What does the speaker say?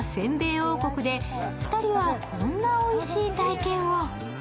王国で２人はこんなおいしい体験を。